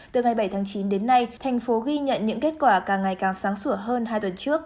từ ngày bảy tháng chín đến nay thành phố ghi nhận những kết quả càng ngày càng sáng sủa hơn hai tuần trước